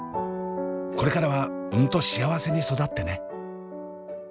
これからはうんと幸せに育ってね。